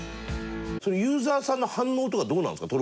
ユーザーさんの反応とかどうなんですか？